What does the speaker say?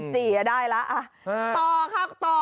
ต่อค่ะต่อ